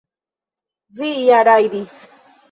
Vi ja rajdis!